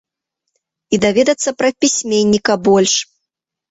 І даведацца пра пісьменніка больш.